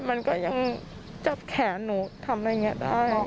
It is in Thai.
มันก็ยังจับแขนหนูทำอะไรอย่างนี้ได้